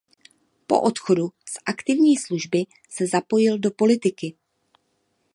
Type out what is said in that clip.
Po odchodu z aktivní služby se zapojil do politiky.